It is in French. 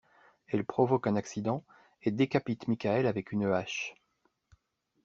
Elle provoque un accident et décapite Michael avec une hache.